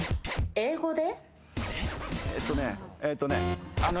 英語で？